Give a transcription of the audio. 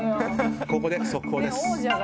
ここで速報です。